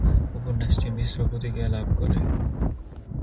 উপন্যাসটি মিশ্র প্রতিক্রিয়া লাভ করে।